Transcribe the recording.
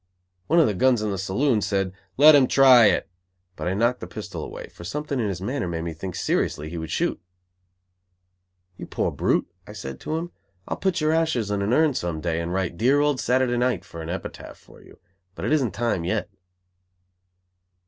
One of the guns in the saloon said: "Let him try it," but I knocked the pistol away, for something in his manner made me think seriously he would shoot. "You poor brute," I said to him. "I'll put your ashes in an urn some day and write "Dear Old Saturday Night" for an epitaph for you; but it isn't time yet."